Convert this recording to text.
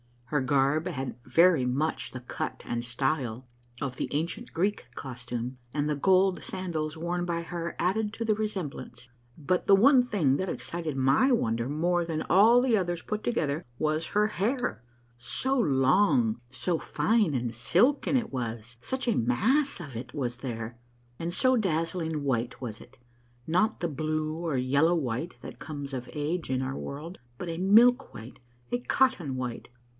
Her garb had very much the cut and style of the ancient Greek costume, and the gold sandals worn by her added to the resemblance ; but the one thing that excited my A AfARVELLOCrS UNDERGROUND JOURNEY 57 wonder more than all the others put together was her hair, so long, so fine and silken was it, such a mass of it was there, and so dazzling white was it — not the blue or yellow white that comes of age in our world, but a milk white, a cotton white.